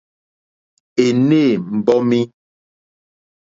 Ènê mbɔ́mí.